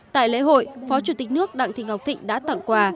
tại lễ hội phó chủ tịch nước đặng thị ngọc thịnh đã tặng quà